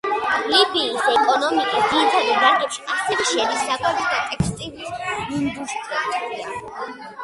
ლიბიის ეკონომიკის ძირითად დარგებში ასევე შედის საკვების და ტექსტილის ინდუსტრია.